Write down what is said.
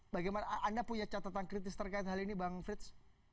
bagaimana anda punya catatan kritis terkait hal ini bang frits